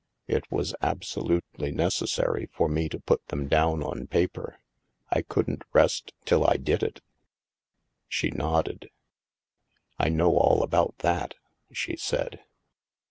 It was ab solutely necessary for me to put them down on paper ; I couldn't rest till I did it" She nodded. I know all about that," she said.